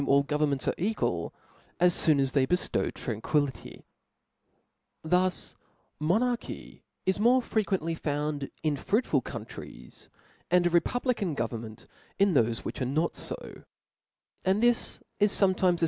all goyemments arc equal^ as foon as they bellow tcanquilHty/* Thus monarchy is morefrequently found infruiN ful countries, and ajepubliqan government in thole which are not fo i» and this is fometimes a.